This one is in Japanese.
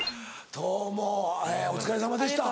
どうもお疲れさまでした。